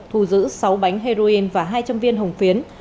thu giữ sáu bánh heroin và hai trăm linh viên hồng phiến